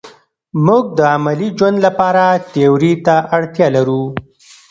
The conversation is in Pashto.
موږ د عملي ژوند لپاره تیوري ته اړتیا لرو.